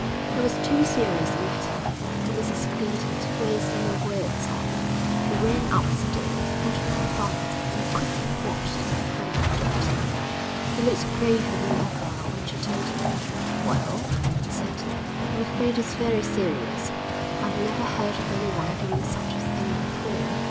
It was too serious a matter for Mrs Clinton to waste any words on; she ran upstairs, put on her bonnet, and quickly walked to her friend, the doctor. He looked graver than ever when she told him. 'Well,' he said, 'I'm afraid it's very serious. I've never heard of anyone doing such a thing before....